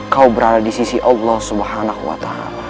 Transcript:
kau berada di sisi allah swt